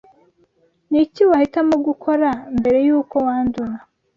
Niki wahitamo gukora, mbere yuko wandura?